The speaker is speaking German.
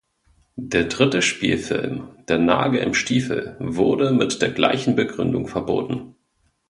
Der dritte Spielfilm "Der Nagel im Stiefel" wurde mit der gleichen Begründung verboten.